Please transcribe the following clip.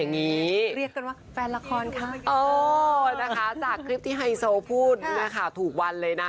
โอ้นะคะจากคลิปที่ไฮโซพูดนะคะถูกวันเลยนะ